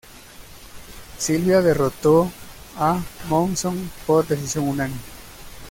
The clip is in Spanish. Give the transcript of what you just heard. Sylvia derrotó a Monson por decisión unánime.